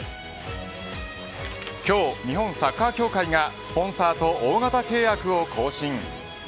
今日、日本サッカー協会がスポンサーと大型契約を更新。